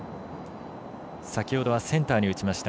先ほどはセンターに打ちました。